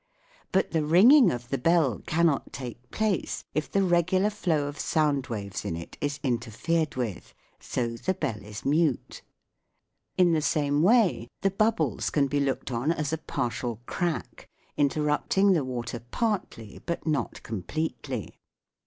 But the ringing of the bell cannot take place if the regular flow of sound waves in it is interfered with ; so the bell is mute. In the same way the bubbles can be looked on as a partial crack, interrupting the water partly, but not completely.